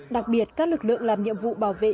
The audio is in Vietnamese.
đặc biệt các lực lượng làm nhiệm vụ bảo vệ